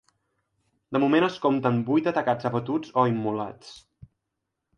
De moment, es compten vuit atacants abatuts o immolats.